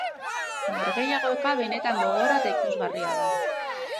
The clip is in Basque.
Norgehiagoka benetan gogorra eta ikusgarria da.